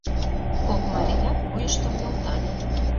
Кок марият вуйыштым нӧлтале.